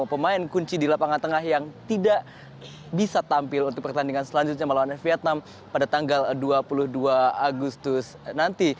pemain kunci di lapangan tengah yang tidak bisa tampil untuk pertandingan selanjutnya melawan vietnam pada tanggal dua puluh dua agustus nanti